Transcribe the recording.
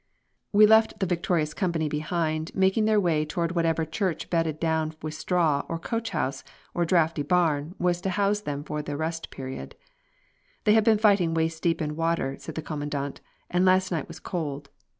We left the victorious company behind, making their way toward whatever church bedded down with straw, or coach house or drafty barn was to house them for their rest period. "They have been fighting waist deep in water," said the Commandant, "and last night was cold.